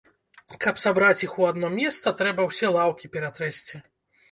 Каб сабраць іх у адно месца, трэба ўсе лаўкі ператрэсці.